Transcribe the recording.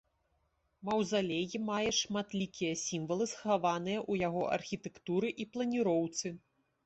Маўзалей мае шматлікія сімвалы, схаваныя ў яго архітэктуры і планіроўцы.